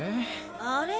あれ？